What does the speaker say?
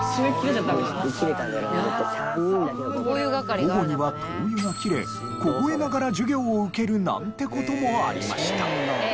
午後には灯油が切れ凍えながら授業を受けるなんて事もありました。